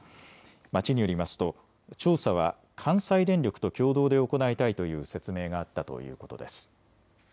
町によりますと調査は関西電力と共同で行いたいという説明があったということです。